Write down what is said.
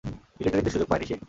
মিলিটারিতে সুযোগ পায়নি সে।